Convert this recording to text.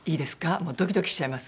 もうドキドキしちゃいます。